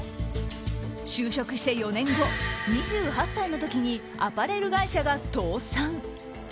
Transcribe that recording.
就職して４年後、２８歳の時にアパレル会社が倒産。